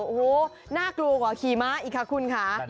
โอ้โหน่ากลัวกว่าขี่ม้าอีกค่ะคุณค่ะ